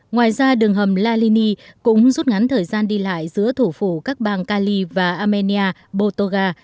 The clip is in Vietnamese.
ngoài ra đường hầm la lini cũng rút ngắn thời gian đi lại giữa thủ phủ các bang cali và armenia botoga